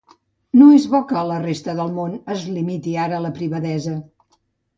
No és bo que a la resta del món es limiti ara la privadesa.